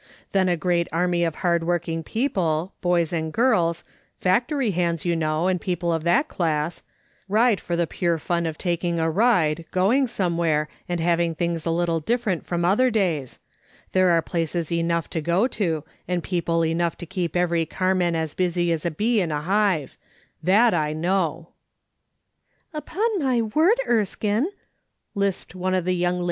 Then a great army of hard working people, boys and girls — factory hands, you know, and people of that class — ride for the pure fun of taking a ride, going somewhere, and having things a little different from other days ; there are places enough to go to, and ]3eople enough to keep every carman as busy as a bee in a hive ; that I know/' " Upon my word, Erskinc," lisped one of the young 1 1 2 MRS. SOL OMON SMITH LOOKING ON.